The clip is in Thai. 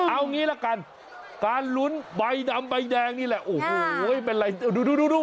เอางี้ละกันการลุ้นใบดำใบแดงนี่แหละโอ้โหเป็นไรดูดู